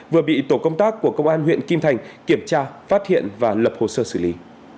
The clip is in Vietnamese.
vừa bị tổ công tác của công an huyện kim thành kiểm tra phát hiện và lập hồ sơ xử lý